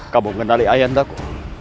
kamu mengenali ayandaku